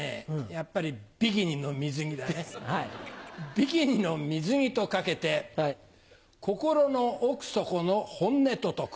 ビキニの水着と掛けて心の奥底の本音と解く。